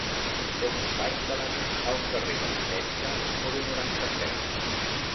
Com ho faig per anar al carrer d'Entença número noranta-set?